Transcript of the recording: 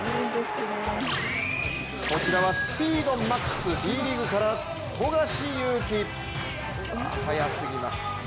こちらはスピードＭＡＸ、Ｂリーグから富樫勇樹、速すぎます。